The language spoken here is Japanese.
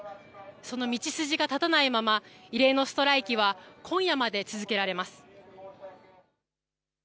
その道筋が立たないまま異例のストライキは今夜まで続けられます。